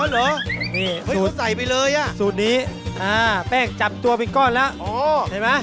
นี่อ๋อเหรอสูตรนี้แป้งจับตัวเป็นก้อนแล้วเห็นไหม